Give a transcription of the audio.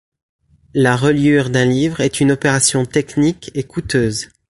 La reliure d'un livre est une opération technique et coûteuse.